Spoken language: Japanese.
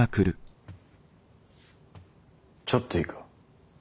ちょっといいか。